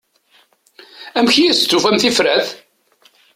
Amek i as-d-tufam tifrat?